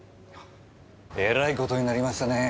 えらい事になりましたねぇ。